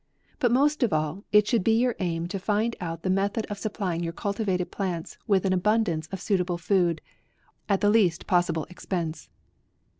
But most of all, it should be your aim to find out the method of supplying your cultivated plants with an abundance of suitable food, at the least possible expense.